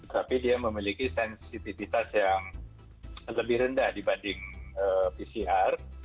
tapi dia memiliki sensitivitas yang lebih rendah dibanding pcr